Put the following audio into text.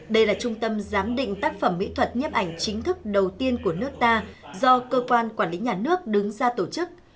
đây là trung tâm giám định tác phẩm mỹ thuật nhấp ảnh chính thức đầu tiên của nước ta do cơ quan quản lý nhà nước đứng ra tổ chức